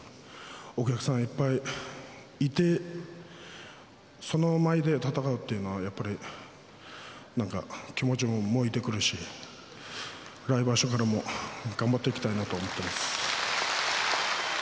お客さんいっぱいいて、その前で戦うっていうのは、やっぱりなんか、気持ちも動いてくるし、来場所からも頑張っていきたいなと思ってます。